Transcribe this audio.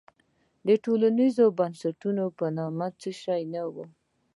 د ټولنیزو بنسټونو په نامه څه شی نه وو.